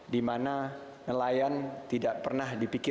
dimana nelayan tidak pernah dipilih